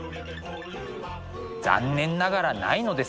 残念ながらないのです。